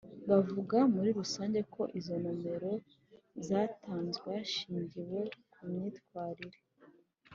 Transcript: Bavuga muri rusanze ko izo nomero zatanzwe hashingiwe ku myitwarire